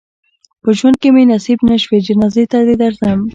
په ژوند مې نصیب نه شوې جنازې ته دې درځم.